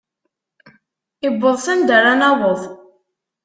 Iwweḍ s anda ara naweḍ.